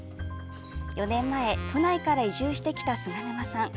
４年前、都内から移住してきた菅沼さん。